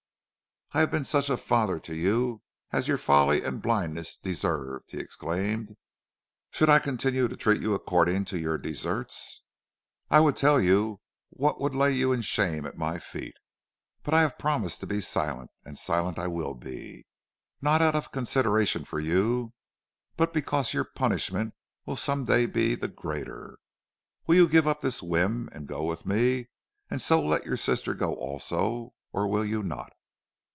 "'I have been such a father to you as your folly and blindness deserved,' he exclaimed. 'Should I continue to treat you according to your deserts, I would tell you what would lay you in shame at my feet. But I have promised to be silent, and silent will I be, not out of consideration for you, but because your punishment will some day be the greater. Will you give up this whim and go with me, and so let your sister go also, or will you not?'